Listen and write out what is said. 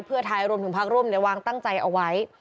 เพื่อท้ายรวมทั้งภาคร่งเรียนระวังตั้งใจเอาไว้